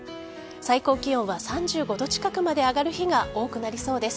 最高気温は３５度近くまで上がる日が多くなりそうです。